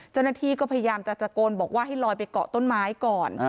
เจ้าหน้าที่ก็พยายามจะตะโกนบอกว่าให้ลอยไปเกาะต้นไม้ก่อน